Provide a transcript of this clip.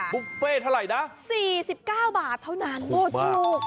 บุฟเฟ่เท่าไหร่นะ๔๙บาทเท่านั้นโอ้ถูก